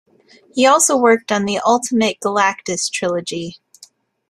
He also worked on the Ultimate Galactus trilogy.